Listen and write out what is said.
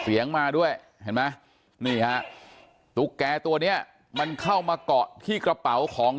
เสียงมาด้วยนี่ฮะตุ๊กแกะตัวนี้มันเข้ามาเกาะที่กระเป๋าของ